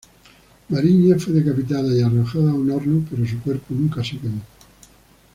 Mariña fue decapitada y arrojada a un horno, pero su cuerpo nunca se quemó.